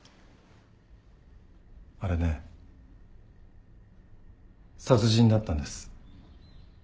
あれね殺人だったんです。